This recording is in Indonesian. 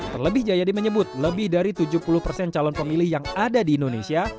terlebih jayadi menyebut lebih dari tujuh puluh persen calon pemilih yang ada di indonesia